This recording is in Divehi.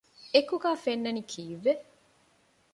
އެކުގައި ފެންނަނީ ކީއްވެ؟